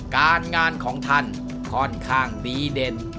การงานของท่านค่อนข้างดีเด่น